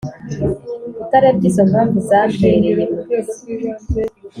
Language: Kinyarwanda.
Utarebye izo mpamvu Zampereye mu mizi